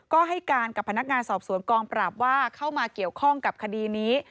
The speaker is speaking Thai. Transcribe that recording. ก็ให้การกับพนักงานสอบสวนกองปราบว่าเข้ามาเกี่ยวข้องกับคดีนี้